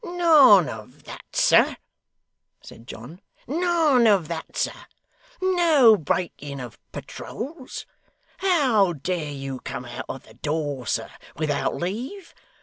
'None of that, sir,' said John, 'none of that, sir. No breaking of patroles. How dare you come out of the door, sir, without leave?